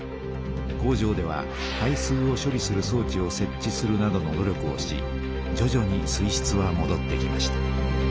工場では排水を処理するそう置をせっ置するなどの努力をしじょじょに水しつはもどってきました。